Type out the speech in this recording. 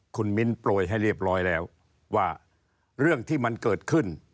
คุณมิ้นโปรยให้เรียบร้อยแล้วว่าเรื่องที่มันเกิดขึ้น